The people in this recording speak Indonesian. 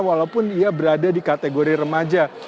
walaupun ia berada di kategori remaja